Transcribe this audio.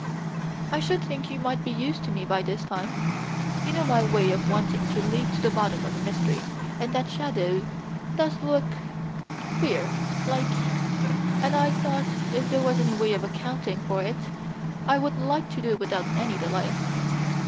"I should think you might be used to me by this time. You know my way of wanting to leap to the bottom of a mystery, and that shadow does look queer, like and I thought if there was any way of accounting for it I would like to without any delay."